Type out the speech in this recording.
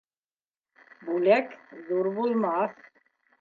Бүләк ҙур булмаҫ.